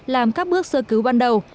làm các bước sơ cứu ban đầu